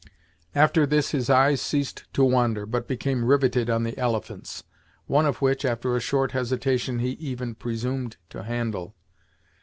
After this, his eyes ceased to wander, but became riveted on the elephants, one of which, after a short hesitation, he even presumed to handle.